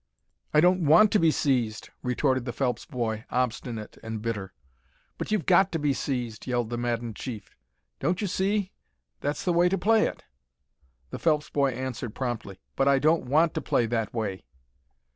"I don't want to be seized," retorted the Phelps boy, obstinate and bitter. "But you've got to be seized!" yelled the maddened chief. "Don't you see? That's the way to play it." The Phelps boy answered, promptly, "But I don't want to play that way."